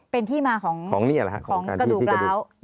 เป็นที่มาของกระดูกราว